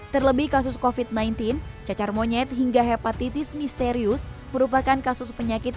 terlebih kasus covid sembilan belas cacar monyet hingga hepatitis misterius merupakan kasus penyakit